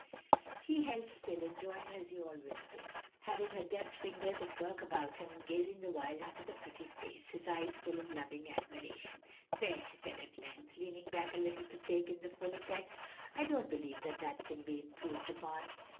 He held still, enjoying, as he always did, having her deft fingers at work about him, and gazing the while into the pretty face, with eyes full of loving admiration. "There!" she said at length, leaning back a little to take in the full effect, "I don't believe that can be improved upon."